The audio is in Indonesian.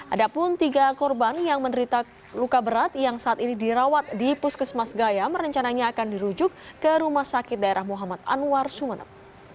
ada pun tiga korban yang menderita luka berat yang saat ini dirawat di puskesmas gayam rencananya akan dirujuk ke rumah sakit daerah muhammad anwar sumeneb